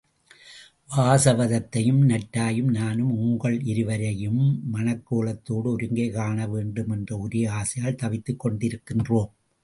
வாசவதத்தையின் நற்றாயும் நானும் உங்கள் இருவரையும் மணக்கோலத்தோடு ஒருங்கே காண வேண்டும் என்ற ஒரே ஆசையால் தவித்துக் கொண்டிருக்கின்றோம்.